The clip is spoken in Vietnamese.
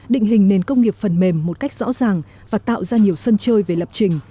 định hình nền công nghiệp phần mềm một cách rõ ràng và tạo ra nhiều sân chơi về lập trình